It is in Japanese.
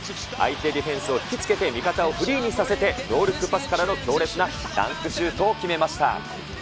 相手ディフェンスを引きつけて味方をフリーにさせて、ノールックパスからの強烈なダンクシュートを決めました。